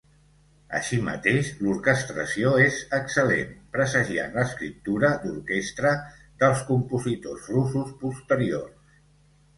Així mateix l'orquestració és excel·lent, presagiant l'escriptura d'orquestra dels compositors russos posteriors.